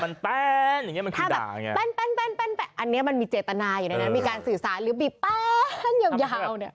แปนแปนแปนอันนี้มันมีเจตนาอยู่ในนั้นมีการศึกษาหรือบีดแป้นยาวเนี่ย